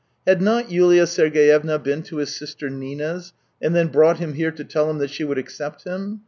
Had not Yulia Sergeyevna bees to his sister Nina's, and then brought him here to tell him that she would accept him